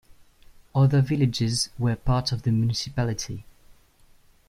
Other villages were part of the municipality.